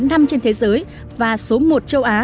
trên thế giới và số một châu á